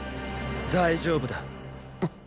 大丈夫だ。！